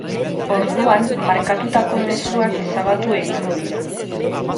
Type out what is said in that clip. Orduan, markatutako mezuak ezabatu egingo dira.